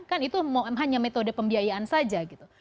kan itu hanya metode pembiayaan saja gitu